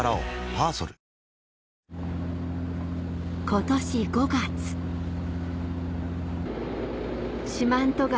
今年５月四万十川